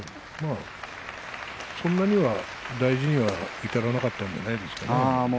そんなには大事には至らなかったんじゃないですか。